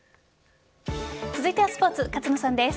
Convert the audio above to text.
続いてはスポーツ勝野さんです。